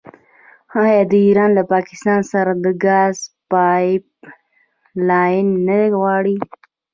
آیا ایران له پاکستان سره د ګاز پایپ لاین نه غواړي؟